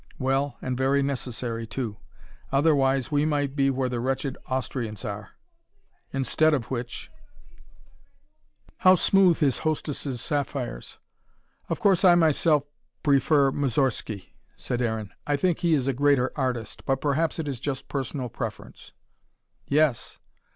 Well, and very necessary, too; otherwise we might be where the wretched Austrians are. Instead of which how smooth his hostess' sapphires! "Of course I myself prefer Moussorgsky," said Aaron. "I think he is a greater artist. But perhaps it is just personal preference." "Yes.